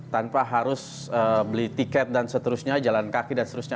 tanpa harus beli tiket dan seterusnya jalan kaki dan seterusnya